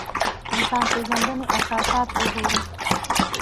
انسان پېژندنې اساسات وګورو.